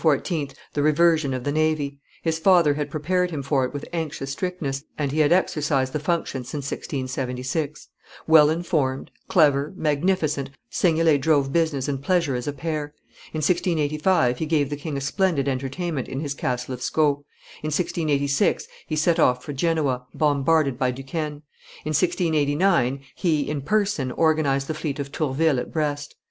the reversion of the navy; his father had prepared him for it with anxious strictness, and he had exercised the functions since 1676. Well informed, clever, magnificent, Seignelay drove business and pleasure as a pair. In 1685 he gave the king a splendid entertainment in his castle of Sceaux; in 1686 he set off for Genoa, bombarded by Duquesne; in 1689 he, in person, organized the fleet of Tourville at Brest.